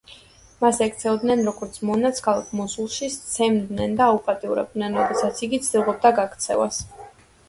მას ექცეოდნენ როგორც მონას ქალაქ მოსულში, სცემდნენ და აუპატიურებდნენ, როდესაც იგი ცდილობდა გაქცევას.